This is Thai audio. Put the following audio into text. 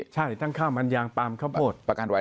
ใช่ทั้งข้าวมันยางปาล์มข้าวโพด